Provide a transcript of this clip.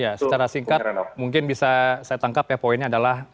ya secara singkat mungkin bisa saya tangkap ya poinnya adalah